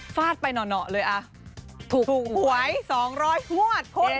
ฟาดไปเหงาเลยอะถูกไหว๒๐๐งวด